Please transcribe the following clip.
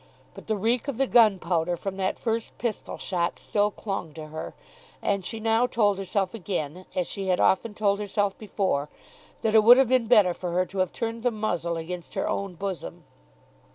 But the reek of the gunpowder from that first pistol shot still clung to her, and she now told herself again, as she had often told herself before, that it would have been better for her to have turned the muzzle against her own bosom.